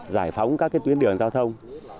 giải phóng các tuyến đường giao thông